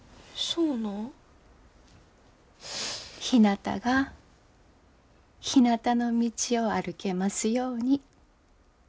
ひなたが「ひなたの道」を歩けますように。